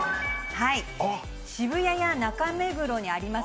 渋谷や中目黒にあります